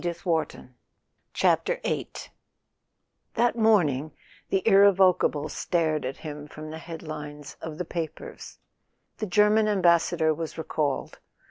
A SON AT THE FRONT VIII T HAT morning the irrevocable stared at him from the head lines of the papers. The German Am¬ bassador was recalled.